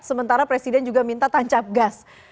sementara presiden juga minta tancap gas